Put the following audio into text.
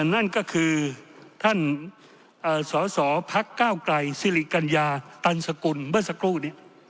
นั่นก็คือท่านสสพกศิริกัญญาตันสกุลเบอร์สกุล